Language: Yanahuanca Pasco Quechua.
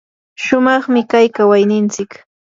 shumaqmi kay kawaynintsik.